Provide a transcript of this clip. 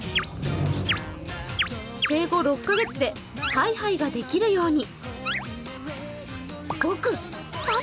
生後６か月で、はいはいができるように。